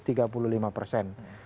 nah sekarang itu dianggap